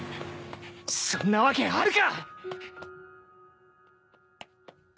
そんなわけあるか！